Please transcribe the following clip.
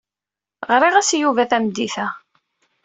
Ɣriɣ-as i Yuba tameddit-a.